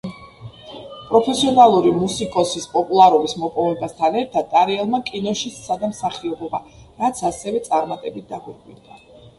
პროფესიონალური მუსიკოსის პოპულარობის მოპოვებასთან ერთად ტარიელმა კინოშიც სცადა მსახიობობა, რაც ასევე წარმატებით დაგვირგვინდა.